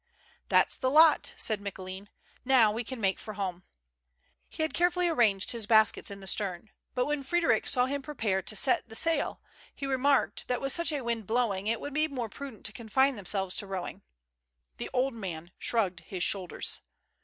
" That's the lot," said Micoulin. " Now we can make for home." He had carefully arranged his baskets in the stern ; but when Frdderic saw him prepare to set the sail, he remarked that, with such a wind blowing, it would be more prudent to confine themselves to rowing. The old man shrugged his shoulders.